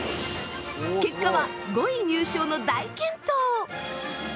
結果は５位入賞の大健闘！